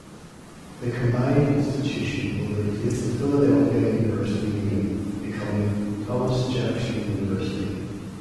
The combined institution will replace the Philadelphia University name, becoming Thomas Jefferson University.